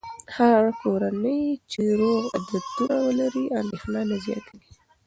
هره کورنۍ چې روغ عادتونه ولري، اندېښنه نه زیاتېږي.